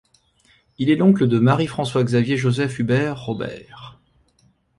Il est l'oncle de Marie-François-Xavier-Joseph-Hubert Robert.